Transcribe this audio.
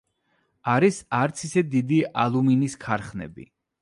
არის არც ისე დიდი ალუმინის ქარხნები.